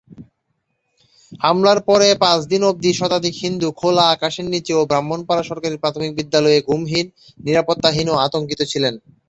হামলার পরে পাঁচ দিন অব্দি শতাধিক হিন্দু খোলা আকাশের নীচে ও ব্রাহ্মণপাড়া সরকারি প্রাথমিক বিদ্যালয়ে ঘুমহীন, নিরাপত্তাহীন ও আতঙ্কিত ছিলেন।